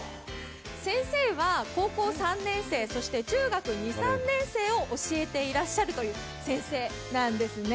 先生は高校３年生そして中学２３年生を教えていらっしゃる先生なんですね。